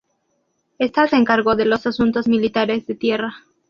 Ésta se encargó de los asuntos militares de tierra.